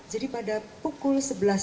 jadi pada pukul sebelas empat puluh delapan